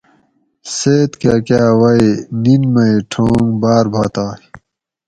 سید کاکاۤ اۤ وئی نِن مئ ٹھونگ باۤر باتائی